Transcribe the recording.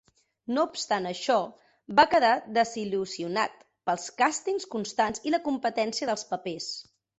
No obstant això, va quedar desil·lusionat pels càstings constants i la competència pels papers.